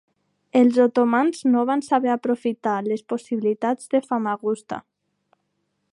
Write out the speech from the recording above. Els otomans no van saber aprofitar les possibilitats de Famagusta.